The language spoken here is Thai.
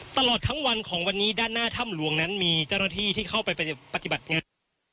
ตลอดทั้งวันของวันนี้ด้านหน้าถ้ำหลวงนั้นมีเจ้าหน้าที่ที่เข้าไปปฏิบัติงาน